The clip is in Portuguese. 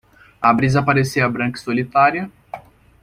A brisa parecia branca e solitária.